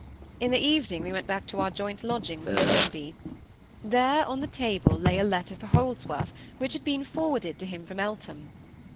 In the evening we went back to our joint lodgings in Hornby. There, on the table, lay a letter for Holdsworth, which had been forwarded to him from Eltham.